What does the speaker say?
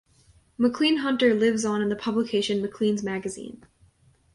Maclean-Hunter lives on in the publication "Maclean's" magazine.